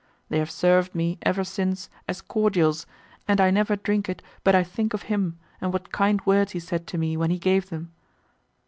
They have served me, ever since, as cordials, and I never drink it, but I think of him, and what kind words he said to me when he gave them.